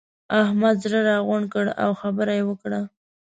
احمد زړه راغونډ کړ؛ او خبره يې وکړه.